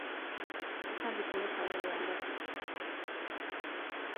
Weka vikombe saba vya unga kwenye sufuria